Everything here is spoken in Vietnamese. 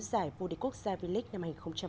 giải vô địch quốc gia v league năm hai nghìn hai mươi